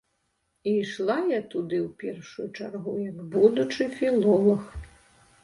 І ішла я туды ў першую чаргу як будучы філолаг.